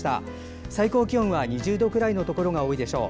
最高気温は２０度くらいのところが多いでしょう。